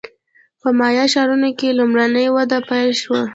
په مایا ښارونو کې لومړنۍ وده پیل شوه